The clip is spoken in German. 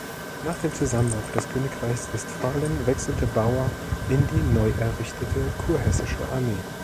Nach dem Zusammenbruch des Königreichs Westphalen wechselte Bauer in die neuerrichtete kurhessische Armee.